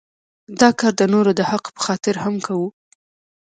دا کار د نورو د حق په خاطر هم کوو.